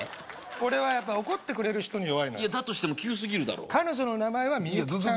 俺はやっぱ怒ってくれる人に弱いのよだとしても急すぎるだろ彼女の名前はミユキちゃん